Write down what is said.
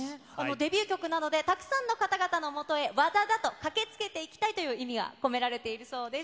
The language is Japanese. デビュー曲なので、たくさんの方々のもとへＷＡＤＡＤＡと駆けつけていきたいという意味が込められているそうです。